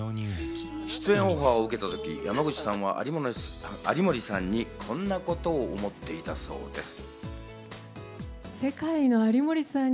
出演オファーを受けたとき、山口さんは有森さんにこんなことを思っていたそうです。